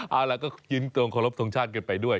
เอาล่ะก็ยืนตรงขอรบทรงชาติกันไปด้วย